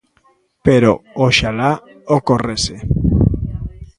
Pero oxalá ocorrese.